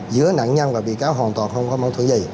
giữa nạn nhân và bị cáo hoàn toàn không có mâu thử gì